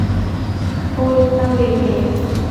Thôi tao về nhé